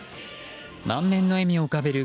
満面の笑みを浮かべる